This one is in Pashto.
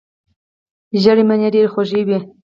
ژیړې مڼې ډیرې خوږې وي.